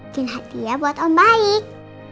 jin hadiah buat om baik